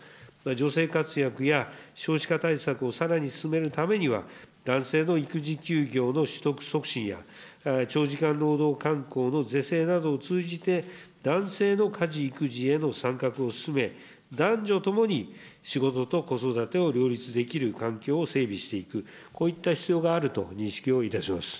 女性活躍や、少子化対策をさらに進めるためには、男性の育児休業の取得促進や、長時間労働敢行の是正などを通じて、男性の家事、育児への参画を進め、男女ともに仕事と子育てを両立できる環境を整備していく、こういった必要があると認識をいたします。